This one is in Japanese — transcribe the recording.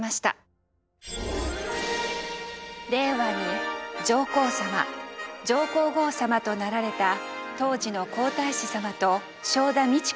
令和に上皇さま上皇后さまとなられた当時の皇太子さまと正田美智子さんのご結婚。